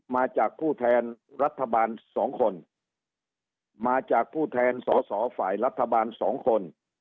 มาจากผู้แทนรัฐบาลสองคนมาจากผู้แทนสอสอฝ่ายรัฐบาลสองคน